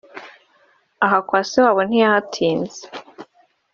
Aha kwa se wabo ntiyahatinze